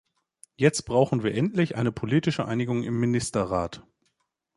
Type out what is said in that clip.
Jetzt brauchen wir endlich eine politische Einigung im Ministerrat.